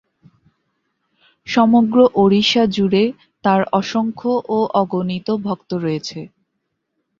সমগ্র ওড়িশা জুড়ে তার অসংখ্য ও অগণিত ভক্ত রয়েছে।